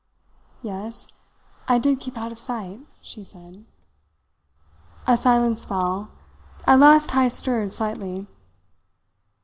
"Yes; I did keep out of sight," she said. A silence fell. At last Heyst stirred slightly.